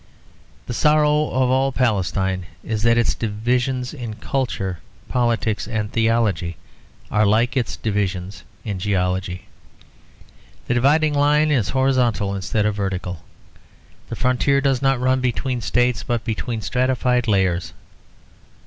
The sorrow of all Palestine is that its divisions in culture, politics and theology are like its divisions in geology. The dividing line is horizontal instead of vertical. The frontier does not run between states but between stratified layers.